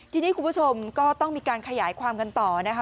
ทีนี้คุณผู้ชมก็ต้องมีการขยายความกันต่อนะคะ